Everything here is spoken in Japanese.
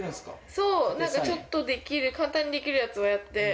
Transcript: そうちょっとできる簡単にできるやつをやって。